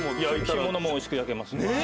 干物もおいしく焼けます。